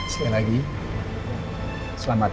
sekali lagi selamat